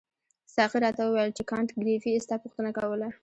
ساقي راته وویل چې کانت ګریفي ستا پوښتنه کوله.